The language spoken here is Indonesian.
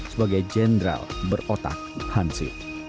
sebagai jenderal berotak hansi